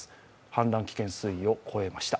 氾濫危険水位を越えました。